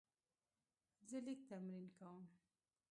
زه لیک تمرین کوم.